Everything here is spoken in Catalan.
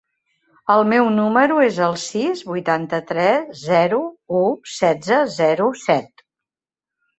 El meu número es el sis, vuitanta-tres, zero, u, setze, zero, set.